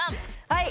はい。